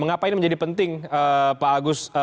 mengapa ini menjadi penting pak agus